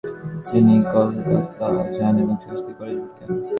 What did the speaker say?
তিনি কলকাতা যান এবং সংস্কৃত কলেজে ভর্তি হন।